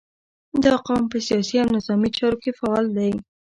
• دا قوم په سیاسي او نظامي چارو کې فعال دی.